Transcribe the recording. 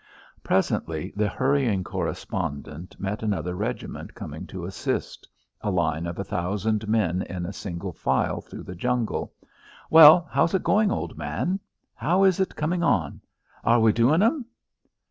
Presently the hurrying correspondent met another regiment coming to assist a line of a thousand men in single file through the jungle. "Well, how is it going, old man?" "How is it coming on?" "Are we doin' 'em?"